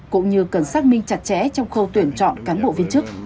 cũng như cần xác minh chặt chẽ trong khâu tuyển chọn cán bộ viên chức